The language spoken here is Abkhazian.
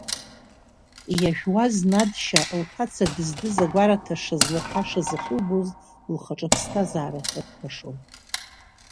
Иажәуаз Надшьа, лҭаца дыздыз агәараҭа шазлырҳашаз ахьылбоз, лхаҿы аԥсҭазаара ықәлашон.